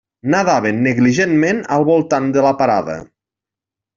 Nadaven negligentment al voltant de la parada.